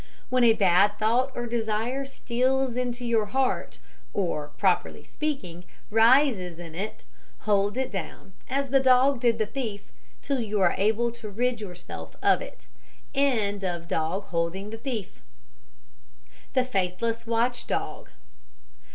When a bad thought or desire steals into your heart, or, properly speaking, rises in it, hold it down, as the dog did the thief, till you are able to rid yourself of it. THE FAITHLESS WATCH DOG.